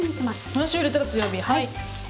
もやしを入れたら強火はい。